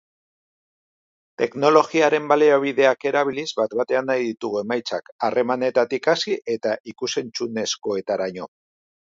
Teknologiaren baliabideak erabiliz bat-batean nahi ditugu emaitzak, harremanetatik hasi eta ikus-entzunezkoetaraino.